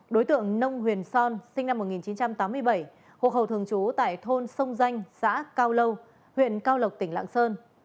đối tượng nông huyền son sinh năm một nghìn chín trăm tám mươi bảy hộ khẩu thường trú tại thôn sông danh xã cao lâu huyện cao lộc tỉnh lạng sơn